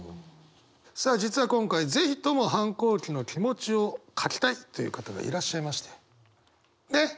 さあ実は今回是非とも反抗期の気持ちを書きたいという方がいらっしゃいまして。